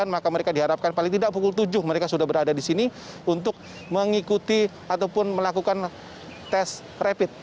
maka mereka diharapkan paling tidak pukul tujuh mereka sudah berada di sini untuk mengikuti ataupun melakukan tes rapid